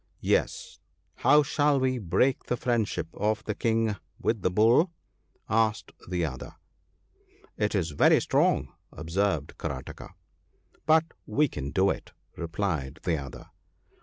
* Yes ! How shall we break the friendship of the King with the Bull ?' asked the other. * It is very strong,' observed Karataka. ' But we can do it,' replied the other.